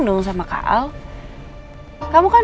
dewalemework time saya ini